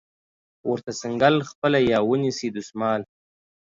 ورته څنګل خپله یا ونیسئ دستمال